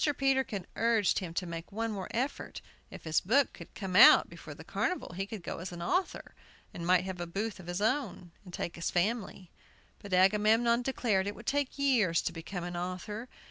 Peterkin urged him to make one more effort. If his book could come out before the carnival he could go as an author, and might have a booth of his own, and take his family. But Agamemnon declared it would take years to become an author.